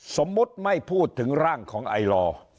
สมมุติไม่พูดถึงร่างของไอลอ